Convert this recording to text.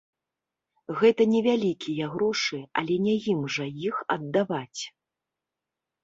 Гэта невялікія грошы, але не ім жа іх аддаваць.